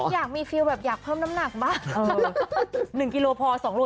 อยากมีแบบอยากเพิ่มน้ำหนักบ้างเออหนึ่งกิโลพอสองโล